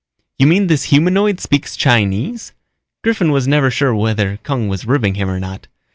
"You mean this humanoid speaks Chinese?" Griffin was never sure whether Kung was ribbing him or not.